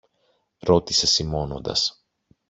ρώτησε σιμώνοντας.